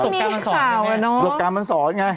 ประสบการณ์มันสอน